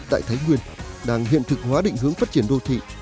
tại thái nguyên đang hiện thực hóa định hướng phát triển đô thị